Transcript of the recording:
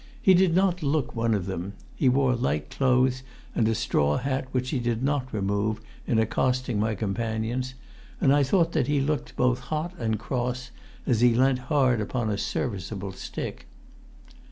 He did not look one of them; he wore light clothes and a straw hat which he did not remove in accosting my companions; and I thought that he looked both hot and cross as he leant hard upon a serviceable stick.